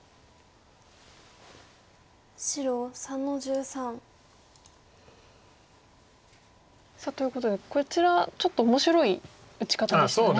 白３の十三。ということでこちらちょっと面白い打ち方でしたね。